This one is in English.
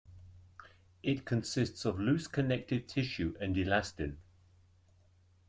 It consists of loose connective tissue and elastin.